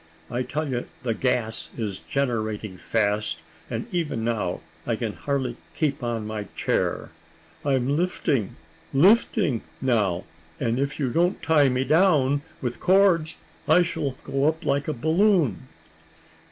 I tell you the gas is generating fast, and even now I can hardly keep on my chair. I'm lifting lifting now; and if you don't tie me down with cords, I shall go up like a balloon."